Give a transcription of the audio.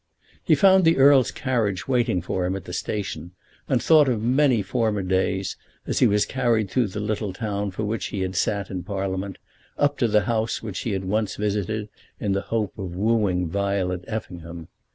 He found the Earl's carriage waiting for him at the station, and thought of many former days, as he was carried through the little town for which he had sat in Parliament, up to the house which he had once visited in the hope of wooing Violet Effingham.